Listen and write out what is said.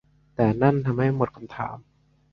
แต่นั่นทำให้หมดคำถาม